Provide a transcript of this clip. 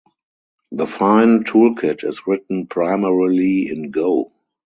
The Fyne toolkit is written primarily in Go.